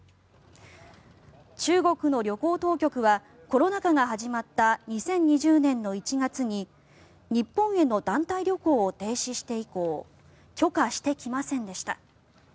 中国の旅行当局はコロナ禍が始まった２０２０年の１月に日本への団体旅行を停止して以降許可してきませんでした。